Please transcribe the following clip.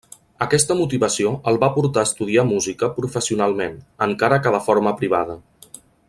Aquesta motivació el va portar a estudiar música professionalment, encara que de forma privada.